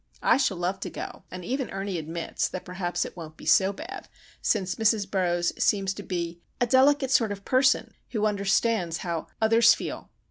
I shall love to go, and even Ernie admits that perhaps it won't be so bad, since Mrs. Burroughs seems to be "a delicate sort of person" who understands how "others feel."